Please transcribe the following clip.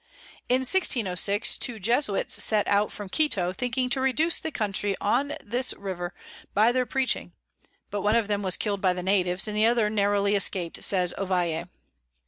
In 1606. two Jesuits set out from Quito, thinking to reduce the Country on this River by their Preaching: but one of them was kill'd by the Natives, and the other narrowly escap'd, says Ovalle.